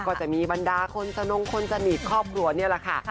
ก็จะมีบรรดาคนสนงคนสนิทครอบครัวนี่แหละค่ะ